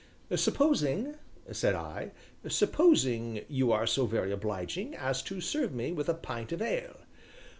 "Supposing," said I, "supposing you are so very obliging as to serve me with a pint of ale?"